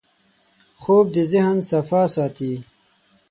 خوب د ذهن صفا ساتي